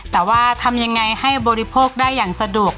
แต่ว่าทำยังไงให้บริโภคได้อย่างสะดวก